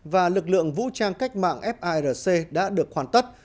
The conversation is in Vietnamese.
và lực lượng vũ trang cách mạng firc đã được hoàn tất